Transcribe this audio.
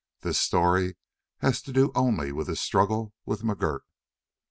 This story has to do only with his struggle with McGurk.